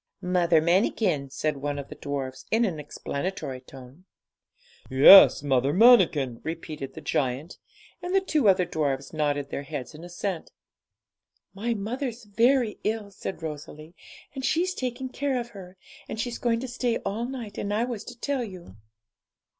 'Mother Manikin,' said one of the dwarfs, in an explanatory tone. 'Yes, Mother Manikin,' repeated the giant, and the two other dwarfs nodded their heads in assent. 'My mother's very ill,' said Rosalie, 'and she's taking care of her; and she's going to stay all night, and I was to tell you.'